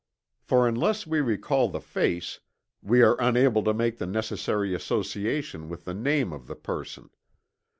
For unless we recall the face, we are unable to make the necessary association with the name of the person.